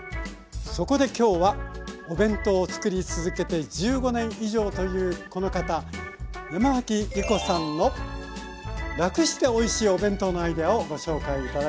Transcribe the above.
そこで今日はお弁当をつくり続けて１５年以上というこの方山脇りこさんのラクしておいしいお弁当のアイデアをご紹介頂きます。